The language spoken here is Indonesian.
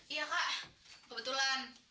iya kak kebetulan